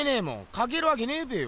描けるわけねぇべよ。